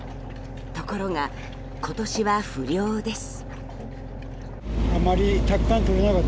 ところが、今年は不漁です。